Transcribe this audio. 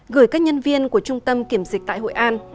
gửi các nhân viên của trung tâm kiểm dịch tại hội an